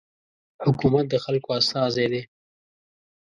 حکومت د خلکو استازی دی.